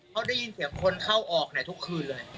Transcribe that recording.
เขาได้ยินเสียงคนเข้าออกทุกคืนเลย